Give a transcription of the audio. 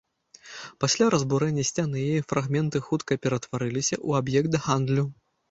Пасля разбурэння сцяны яе фрагменты хутка ператварыліся ў аб'ект гандлю.